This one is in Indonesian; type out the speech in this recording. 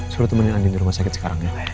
suruh temenin andi di rumah sakit sekarang ya